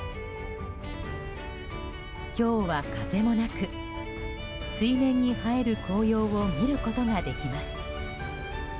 今日は風もなく、水面に映える紅葉を見ることができます。